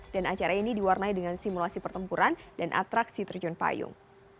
dan acara ini diwarnai dengan simulasi pertempuran dan atraksi terjun payung